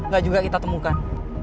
gak juga kita temukan